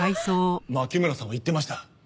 牧村さんは言っていました。